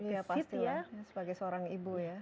ya pasti lah sebagai seorang ibu ya